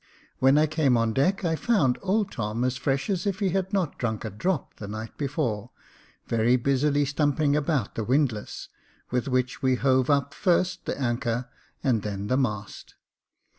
When I came on deck I found old Tom as fresh as if he had not drunk a drop the night before, very busily stump ing about the windlass, with which we hove up first the anchor, and then the mast.